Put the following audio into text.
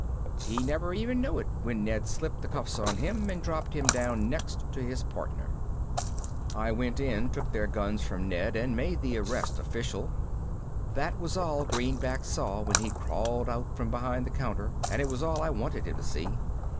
He never even knew it when Ned slipped the cuffs on him and dropped him down next to his partner. I went in, took their guns from Ned, and made the arrest official. That was all Greenback saw when he crawled out from behind the counter and it was all I wanted him to see.